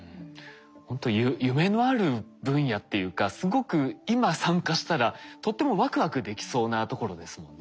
ほんと夢のある分野っていうかすごく今参加したらとってもワクワクできそうなところですもんね。